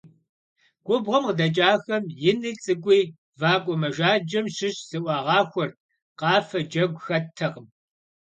Губгъуэм къыдэкӀахэм ини цӀыкӀуи вакӀуэ мэжаджэм щыщ зыӀуагъахуэрт, къафэ, джэгу хэттэкъым.